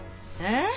えっ？